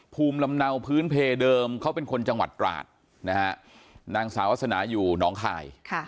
ภูมิลำเนาพื้นเพเดิมเขาเป็นคนจังหวัดตราดนะฮะนางสาวาสนาอยู่น้องคาย